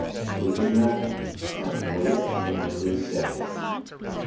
sleep again, And wake when it is day.